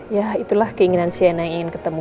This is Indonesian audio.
ya itulah keinginan cnn ingin ketemu